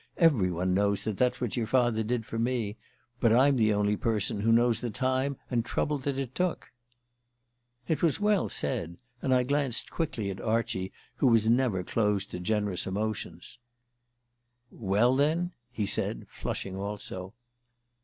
Every one knows that's what your father did for me, but I'm the only person who knows the time and trouble that it took." It was well said, and I glanced quickly at Archie, who was never closed to generous emotions. "Well, then ?" he said, flushing also.